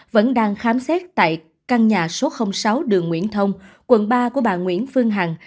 vẫn đang khám xét tại căn nhà số sáu đường nguyễn thông quận ba của bà nguyễn phương hằng